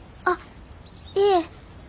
あっいえ。